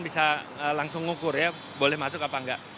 bisa langsung ngukur ya boleh masuk apa enggak